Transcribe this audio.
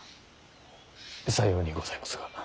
さようにございますが。